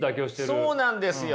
そうなんですよ。